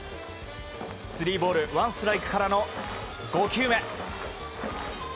スリーボールワンストライクからの５球目。